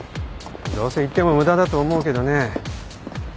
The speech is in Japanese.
どうせ行っても無駄だと思うけどね。